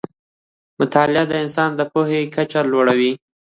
مطالعه د انسان د پوهې کچه لوړه وي